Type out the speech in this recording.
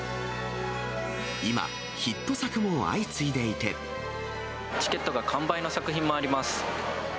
今、チケットが完売の作品もあります。